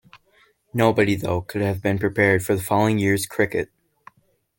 Nobody, though, could have been prepared for the following year's cricket.